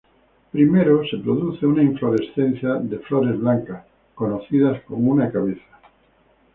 Primero se produce una inflorescencia de flores blancas conocidas como una cabeza.